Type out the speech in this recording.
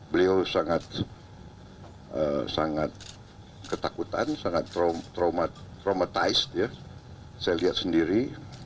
beliau sangat ketakutan sangat traumatized saya lihat sendiri